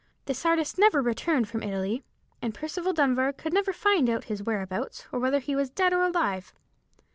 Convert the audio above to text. This artist never returned from Italy, and Percival Dunbar could never find out his whereabouts, or whether he was dead or alive.